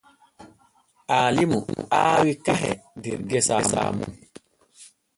Aalimu aawi kahe der gese mun.